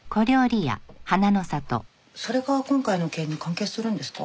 それが今回の件に関係するんですか？